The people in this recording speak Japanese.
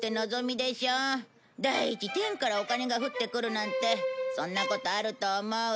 第一天からお金が降ってくるなんてそんなことあると思う？